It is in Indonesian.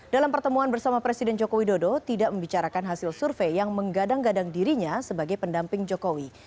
dalam pertemuan bersama presiden joko widodo tidak membicarakan hasil survei yang menggadang gadang dirinya sebagai pendamping jokowi